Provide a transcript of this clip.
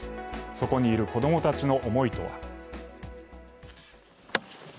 そこにいる子供たちの思いとは。